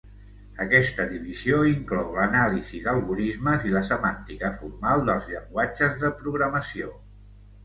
Aquesta divisió inclou l'Anàlisi d'algorismes i la Semàntica Formal dels llenguatges de programació.